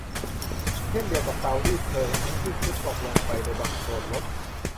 เช่นเดียวกับเตารีดเพลิงทั้งชุดที่ตกลงไปในบังโคลนรถ